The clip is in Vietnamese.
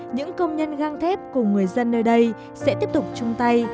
những công nhân gang thép cùng người dân nơi đây sẽ tiếp tục chung tay